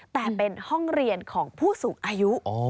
แต่เป็นห้องเรียนของผู้สูงอายุ